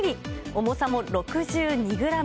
重さも６２グラム。